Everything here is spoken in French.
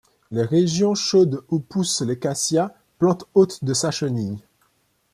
Les régions chaudes où poussent les Cassias, plantes hôtes de sa chenille.